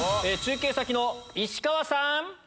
中継先の石川さん！